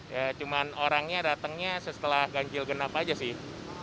ya cuma orangnya datangnya setelah ganjil genap aja sih